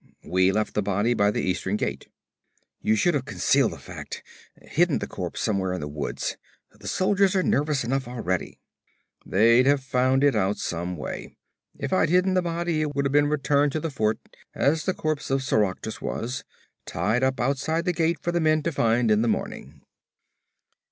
'We left the body by the eastern gate.' 'You should have concealed the fact, hidden the corpse somewhere in the woods. The soldiers are nervous enough already.' 'They'd have found it out some way. If I'd hidden the body, it would have been returned to the fort as the corpse of Soractus was tied up outside the gate for the men to find in the morning.'